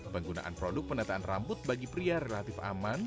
penggunaan produk penataan rambut bagi pria relatif aman